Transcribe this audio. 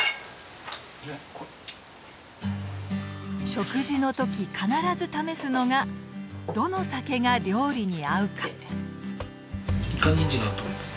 食事の時必ず試すのがどの酒が料理に合うか。